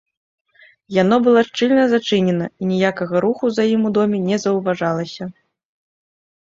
Яно было шчыльна зачынена, і ніякага руху за ім у доме не заўважалася.